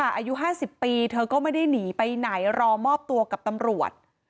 อายุ๕๐ปีเธอก็ไม่ได้หนีไปไหนรอมอบตัวกับตำรวจ